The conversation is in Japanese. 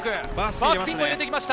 バースピンも入れてきました。